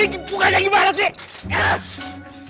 ini bukanya gimana sih